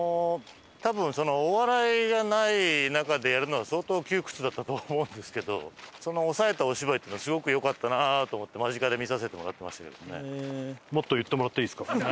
多分お笑いがない中でやるのは相当窮屈だったと思うんですけどその抑えたお芝居っていうのはすごく良かったなと思って間近で見させてもらってましたけどね。